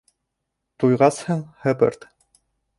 — Туйғасһың, һыпырт!